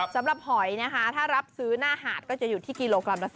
สำหรับหอยนะคะถ้ารับซื้อหน้าหาดก็จะอยู่ที่กิโลกรัมละ๓๐